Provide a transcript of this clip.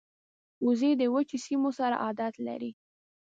وزې د وچو سیمو سره عادت لري